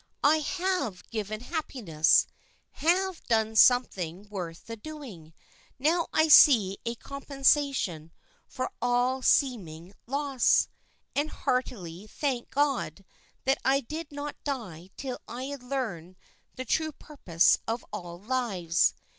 I have given happiness, have done something worth the doing; now I see a compensation for all seeming loss, and heartily thank God that I did not die till I had learned the true purpose of all lives.